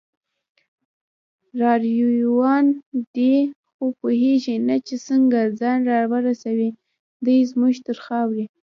راروان دی خو پوهیږي نه چې څنګه، ځان راورسوي دی زمونږ تر خاورې